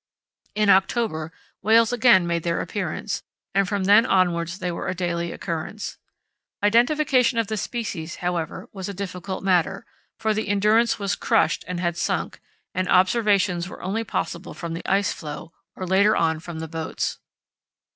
In October whales again made their appearance, and from then onwards they were a daily occurrence. Identification of the species, however, was a difficult matter, for the Endurance was crushed and had sunk, and observations were only possible from the ice floe, or later on from the boats.